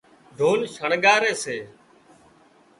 ڍول شڻڳاري سي